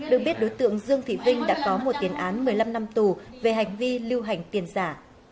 được biết đối tượng dương thị vinh đã có một tiền án một mươi năm năm tù về hành vi lưu hành tiền giả